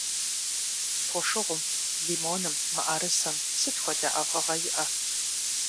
Фошыгъум, лимоным, мыӀэрысэм сыт хуэдэ ӀэфӀыгъэ иӀэ?